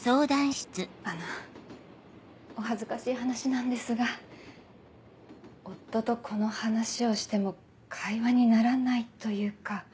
あのお恥ずかしい話なんですが夫とこの話をしても会話にならないというか。